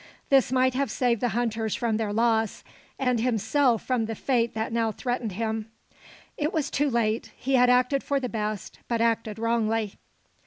This might have saved the hunters from their loss and himself from the fate that now threatened him. It was too late. He had acted for the best, but acted wrongly.